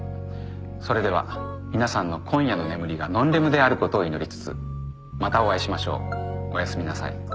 それでは皆さんの今夜の眠りがノンレムであることを祈りつつまたお会いしましょうおやすみなさい。